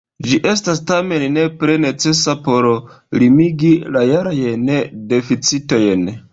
Ĝi estas tamen nepre necesa por limigi la jarajn deficitojn.